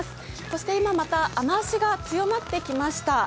そして今また雨足が強まってきました。